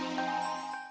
dan setelah semua